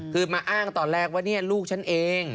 คือมาอ้างตอนแรกว่าเนี่ยลูกฉันเอง